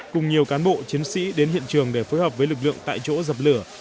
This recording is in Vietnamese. cùng nhiều cán bộ chiến sĩ đến hiện trường để phối hợp với lực lượng tại chỗ dập lửa